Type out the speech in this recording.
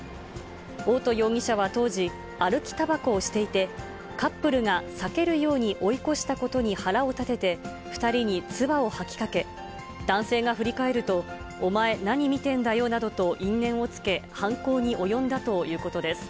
大戸容疑者は当時、歩きたばこをしていて、カップルが避けるように追い越したことに腹を立てて、２人につばを吐きかけ、男性が振り返ると、お前、何見てんだよなどと因縁をつけ、犯行に及んだということです。